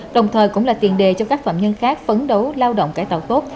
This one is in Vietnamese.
đồng thời cũng là tiền đề cho các phạm nhân khác phấn đấu lao động cải tạo tốt